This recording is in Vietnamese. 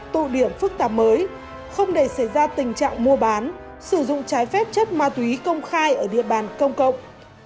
tụ điểm phức tạp mới không để xảy ra tình trạng mua bán sử dụng trái phép chất ma túy công khai ở địa bàn công cộng